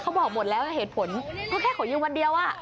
เขาบอกหมดแล้วเหตุผลเขาแค่ขอยืมวันเดียว